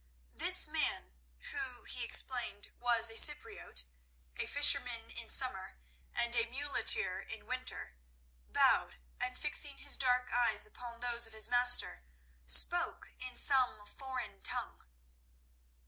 This man, who, he explained, was a Cypriote—a fisherman in summer and a muleteer in winter—bowed, and fixing his dark eyes upon those of his master, spoke in some foreign tongue.